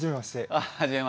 あっ始めまして。